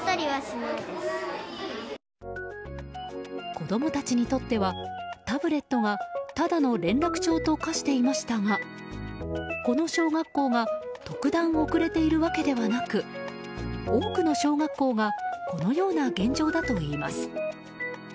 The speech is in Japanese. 子供たちにとってはタブレットがただの連絡帳と化していましたがこの小学校が特段、遅れているわけではなく多くの小学校がこのような現状だといいます。